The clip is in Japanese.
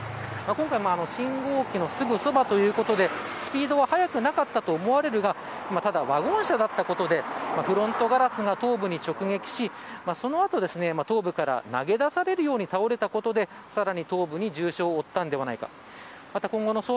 今回信号機のすぐそばということでスピードは速くなかったと思われるがワゴン車だったことでフロントガラスが頭部に直撃しその後、頭部から投げ出されるように倒れたことでさらに頭部に重傷を負ったのではないか。